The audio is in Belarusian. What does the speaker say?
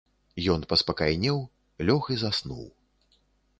Ён паспакайнеў, лёг і заснуў.